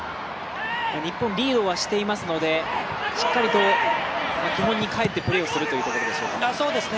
日本リードはしていますのでしっかりと基本に返ってプレーするということでしょうか。